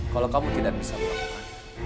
kalau kamu tidak bisa melakukan